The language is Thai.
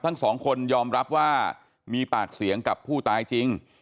ทั้งสองคนยอมรับว่ามีปากเสียงกับผู้ตายจริง